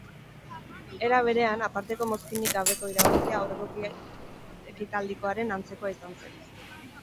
Era berean, aparteko mozkinik gabeko irabazia aurreko ekitaldikoaren antzekoa izan zen.